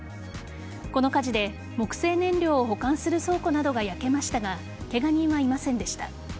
この火事で木製燃料を保管する倉庫などが焼けましたがケガ人はいませんでした。